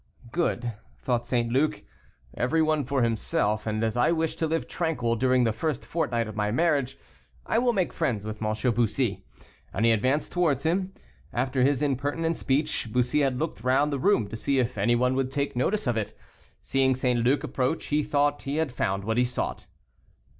"Good," thought St. Luc, "everyone for himself; and as I wish to live tranquil during the first fortnight of my marriage, I will make friends with M. Bussy." And he advanced towards him. After his impertinent speech, Bussy had looked round the room to see if any one would take notice of it. Seeing St. Luc approach, he thought he had found what he sought.